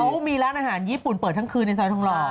เขามีร้านอาหารญี่ปุ่นเปิดทั้งคืนในซอยทองหล่อ